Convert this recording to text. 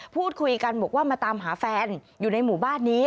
พูดคุยกันบอกว่ามาตามหาแฟนอยู่ในหมู่บ้านนี้